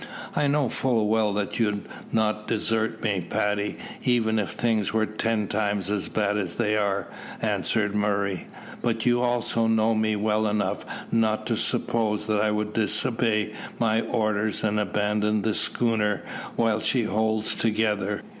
"I know full well that you'd not desert me, Paddy, even if things were ten times as bad as they are," answered Murray. "But you also know me well enough not to suppose that I would disobey my orders and abandon the schooner while she holds together.